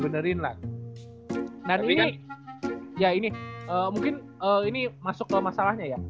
nah ini ya ini mungkin ini masuk ke masalahnya ya